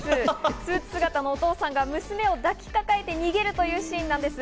スーツ姿のお父さんが娘を抱きかかえて逃げるというシーンなんです。